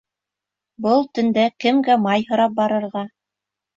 Был төндә кемгә май һорап барырға?